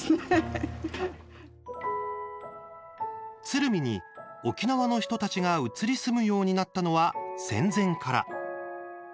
鶴見に沖縄の人たちが移り住むようになったのは戦前から。